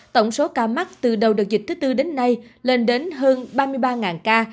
tổng số ca mắc từ đầu đợt dịch thứ tư đến nay lên đến hơn ba mươi ba ca